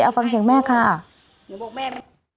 เอาฟังเสียงแม่ค่ะหนูบอกแม่